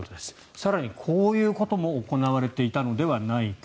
更にこういうことも行われていたのではないか。